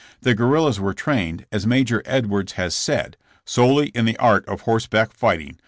The guerrillas were trained, as Major Edwards has said, solely in the art of horseback fighting.